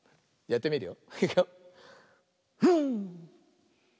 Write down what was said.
やってみるよ。